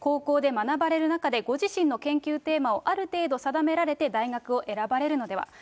高校で学ばれる中で、ご自身の研究テーマをある程度定められて大学を選ばれるのでは。